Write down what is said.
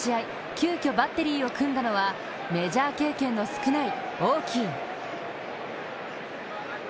急ぎバッテリーを組んだのはメジャー経験の少ないオーキー。